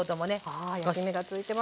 はい焼き目がついてます。